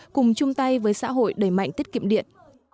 cùng chung tay với xã hội đẩy mạnh tiết kiệm điện